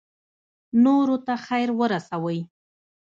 نورو ته خیر ورسوئ